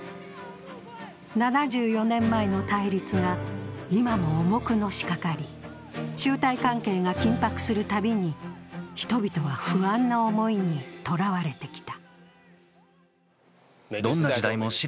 ７４年前の対立が今も重くのしかかり、中台関係が緊迫するたびに人々は不安な思いにとらわれてきた。